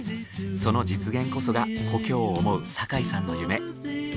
その実現こそが故郷を思う酒井さんの夢。